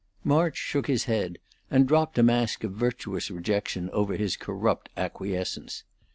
March shook his head, and dropped a mask of virtuous rejection over his corrupt acquiescence.